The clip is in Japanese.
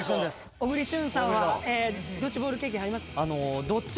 小栗旬さんはドッジボール経験ありますか？